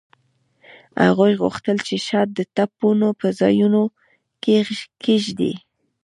هغوی غوښتل چې شات د ټپونو په ځایونو کیږدي